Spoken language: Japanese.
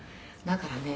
「だからね